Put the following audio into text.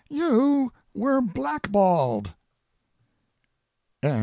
You were blackballed!'"